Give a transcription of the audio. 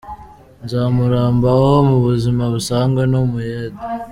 Nzamurambaho mu buzima busanzwe ni umuyede.